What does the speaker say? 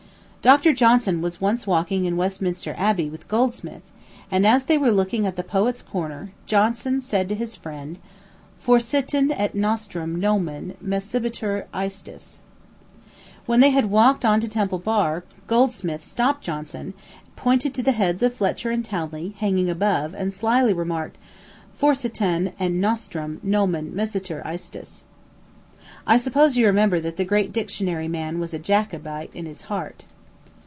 Dr. Johnson was once walking in Westminster Abbey with Goldsmith, and as they were looking at the Poet's Corner, Johnson said to his friend, "Forsitan et nostrum nomen miscebitur istis." When they had walked on to Temple Bar, Goldsmith stopped Johnson, and pointed to the heads of Fletcher and Townley, hanging above, and slyly remarked, "Forsitan et nostrum nomen miscebitur istis." I suppose you remember that the great dictionary man was a Jacobite in his heart.